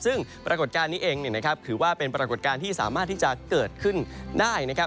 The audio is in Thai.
ซึ่งปรากฏการณ์นี้เองถือว่าเป็นปรากฏการณ์ที่สามารถที่จะเกิดขึ้นได้